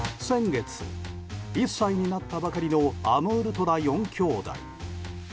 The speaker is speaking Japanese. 先月、１歳になったばかりのアムールトラ４兄弟。